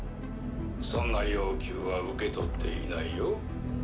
そんな要求は受け取っていないよ。